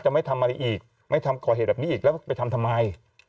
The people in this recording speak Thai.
ไม่ทำอะไรอีกไม่ทำก่อเหตุแบบนี้อีกแล้วไปทำทำไม